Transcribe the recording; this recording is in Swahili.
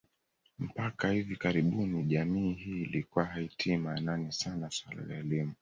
Mpaka hivi karibuni jamii hii ilikuwa haitilii maanani sana suala la elimu